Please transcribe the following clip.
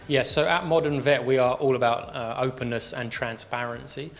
ya jadi di modern vet kita berkaitan dengan kebukaan dan transparansi